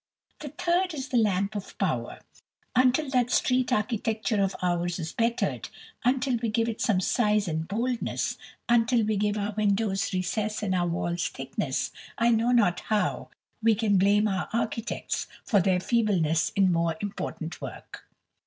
The third is the Lamp of Power: "Until that street architecture of ours is bettered, until we give it some size and boldness, until we give our windows recess and our walls thickness, I know not how we can blame our architects for their feebleness in more important work."